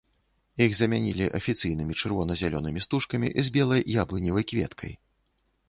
Іх замянілі афіцыйнымі чырвона-зялёнымі стужкамі з белай яблыневай кветкай.